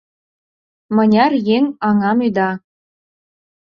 Мыняр еҥ аҥам ӱда!